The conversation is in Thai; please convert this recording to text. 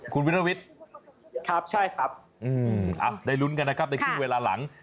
คุณวิรวิทย์ครับใช่ครับได้ลุ้นกันนะครับในช่วงเวลาหลัง